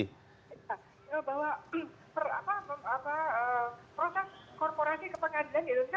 bahwa proses korporasi kepengadilan di indonesia